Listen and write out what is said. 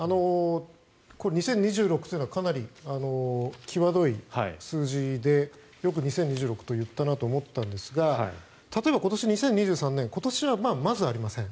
２０２６年というのがかなりきわどい数字でよく２０２６と言ったなと思ったんですが例えば今年２０２３年今年はまずありません。